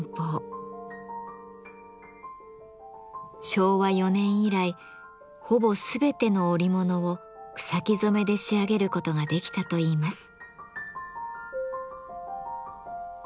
昭和４年以来ほぼ全ての織物を草木染めで仕上げることができたといいます。